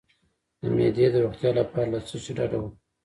د معدې د روغتیا لپاره له څه شي ډډه وکړم؟